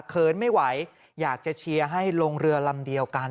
เขินไม่ไหวอยากจะเชียร์ให้ลงเรือลำเดียวกัน